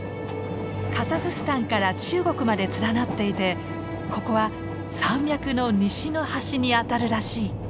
カザフスタンから中国まで連なっていてここは山脈の西の端にあたるらしい。